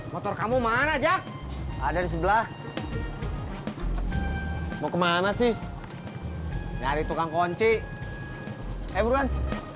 motor kamu mana jah ada di sebelah mau kemana sih nyari tukang kunci eh buruan